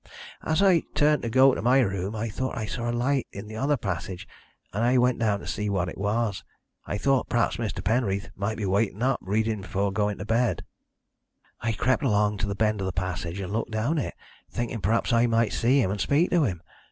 "As I turned to go to my room, I thought I saw a light in the other passage, and I went down to see what it was. I thought perhaps Mr. Penreath might be waiting up reading before going to bed. "I crept along to the bend of the passage, and looked down it, thinking perhaps I might see him and speak to him.